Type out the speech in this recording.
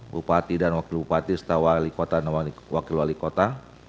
bupati dan wakil bupati setahun wakil wali kota